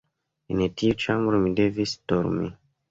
En tiu ĉambro mi devis dormi.